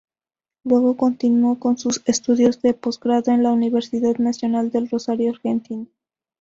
Luego continúo con sus estudios de Posgrado en la Universidad Nacional de Rosario, Argentina.